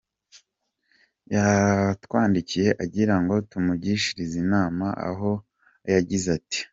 com yatwandikiye agira ngo tumugishirize inama aho yagize ati:.